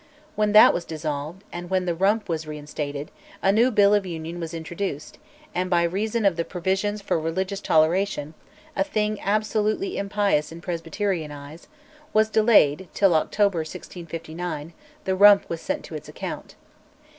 When that was dissolved, and when the Rump was reinstated, a new Bill of Union was introduced, and, by reason of the provisions for religious toleration (a thing absolutely impious in Presbyterian eyes), was delayed till (October 1659) the Rump was sent to its account.